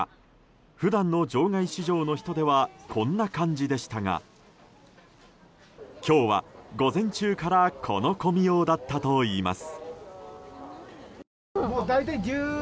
普段の場外市場の人出はこんな感じでしたが今日は午前中からこの混みようだったといいます。